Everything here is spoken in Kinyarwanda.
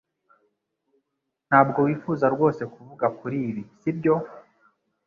Ntabwo wifuza rwose kuvuga kuri ibi sibyo